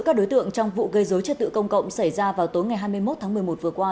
các đối tượng trong vụ gây dối trật tự công cộng xảy ra vào tối ngày hai mươi một tháng một mươi một vừa qua